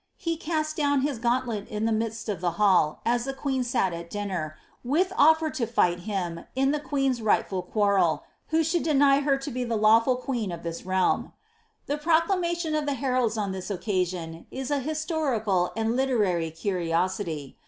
He cast down his gauntlet m the midst of the hall, as the queen sat at dinner, with oflcr to fight him. in the qucen^s rightful quarrel, who should deny her to be the lawful queen of this realm. The proclamation of the heralds on this occasion is an historical and literary curiossity.